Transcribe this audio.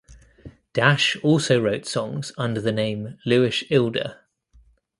Dash also wrote songs under the name Lewis Ilda.